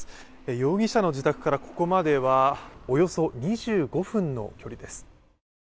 容疑者の自宅からここまではおよそ２５分の距離です。